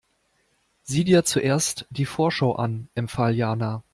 Sieh dir zuerst die Vorschau an, empfahl Jana.